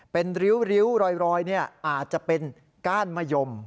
เป็นริ้วรอยอาจจะเป็นก้านมะยม